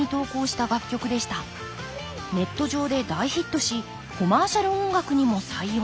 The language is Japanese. ネット上で大ヒットしコマーシャル音楽にも採用。